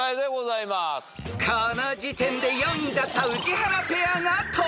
［この時点で４位だった宇治原ペアがトップに］